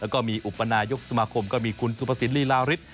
แล้วก็มีอุปนายกสมาคมก็มีคุณสุภสินลีลาริส